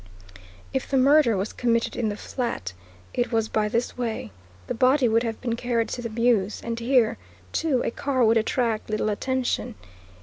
If the murder was committed in the flat, it was by this way the body would have been carried to the mews, and here, too, a car would attract little attention.